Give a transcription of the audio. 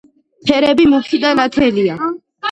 ფერები მუქი და ნათელია.